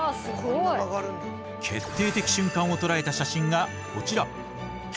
決定的瞬間を捉えた写真がこちら！